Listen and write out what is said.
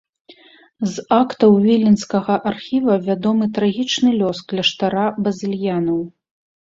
З актаў віленскага архіва вядомы трагічны лёс кляштара базыльянаў.